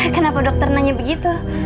kenapa dokter nanya begitu